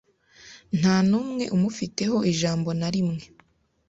Nta numwe umufiteho ijambo na rimwe